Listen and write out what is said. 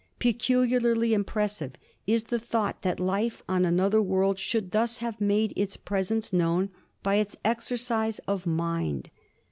Peculiarly impressive is the thought that life on another world should thus have made its presence known by its exercise of mind.